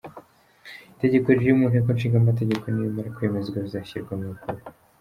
Itegeko riri mu Nteko Ishinga Amategeko, nirimara kwemezwa bizashyirwa mu bikorwa.